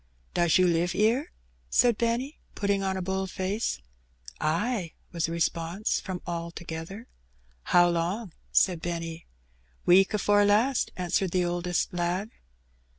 "Does you live 'ere?" said Benny, putting on a bold face. Ay," was the response from all together. How long?" said Benny. "Week afore last," answered the oldest lad.